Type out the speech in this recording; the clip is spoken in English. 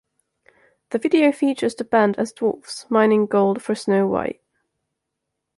The video features the band as dwarves mining gold for Snow White.